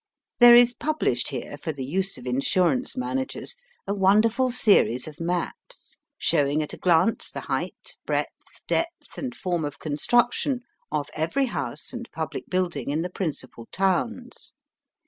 There is published here, for the use of insurance managers, a wonderful series of maps, showing at a glance the height, breadth, depth, and form of construction of every house and public building in the principal towns.